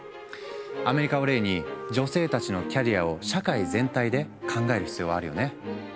アメリカを例に女性たちのキャリアを社会全体で考える必要はあるよね。